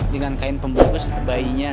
dengan kain pembungkus bayinya